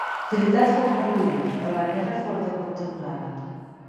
L'hostilitat fou permanent, però la guerra fou de curta durada.